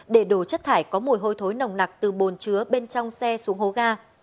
để đổ chất thải có mùi hôi thối nồng nặc từ bồn chứa bên trong xe xuống hố ga